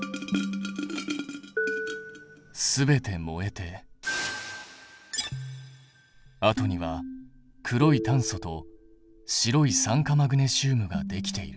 全て燃えてあとには黒い炭素と白い酸化マグネシウムができている。